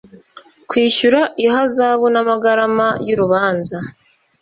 kwishyura ihazabu n’ amagarama y’urubanza